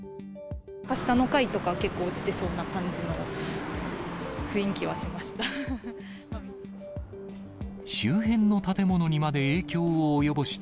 下の階とか、結構落ちてそうな感じの雰囲気はしました。